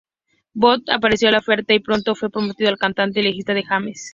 Booth aceptó la oferta, y pronto fue promovido a cantante y letrista de James.